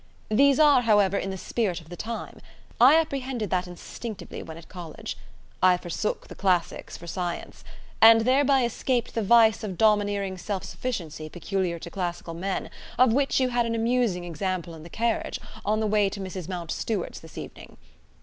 These are, however, in the spirit of the time. I apprehended that instinctively when at College. I forsook the classics for science. And thereby escaped the vice of domineering self sufficiency peculiar to classical men, of which you had an amusing example in the carriage, on the way to Mrs. Mountstuart's this evening.